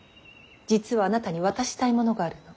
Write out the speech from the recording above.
実はあなたに渡したいものがあるの。